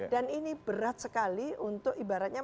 dan ini berat sekali untuk ibaratnya